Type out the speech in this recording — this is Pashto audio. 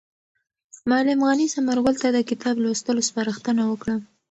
معلم غني ثمر ګل ته د کتاب لوستلو سپارښتنه وکړه.